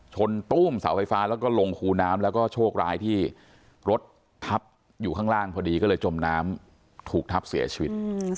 ตู้มเสาไฟฟ้าแล้วก็ลงคูน้ำแล้วก็โชคร้ายที่รถทับอยู่ข้างล่างพอดีก็เลยจมน้ำถูกทับเสียชีวิต